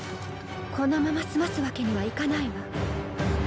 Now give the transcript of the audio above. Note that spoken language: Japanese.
このまま済ますわけにはいかないわ。